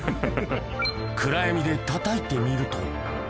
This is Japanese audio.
暗闇でたたいてみると。